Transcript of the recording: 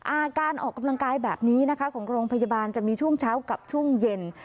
อาการออกกำลังกายแบบนี้นะคะของโรงพยาบาลจะมีช่วงเช้ากับช่วงเย็น